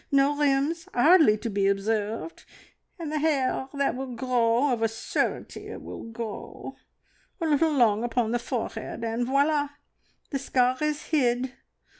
No rims hardly to be observed! And the hair that will grow of a surety it will grow. A little long upon the forehead, and voila! The scar is hid.